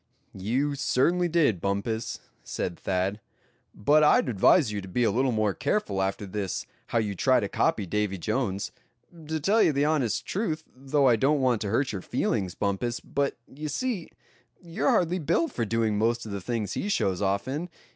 "You certainly did, Bumpus," said Thad; "but I'd advise you to be a little more careful after this how you try to copy Davy Jones. To tell the honest truth, though I don't want to hurt your feelings, Bumpus, but, you see, you're hardly built for doing most of the things he shows off in.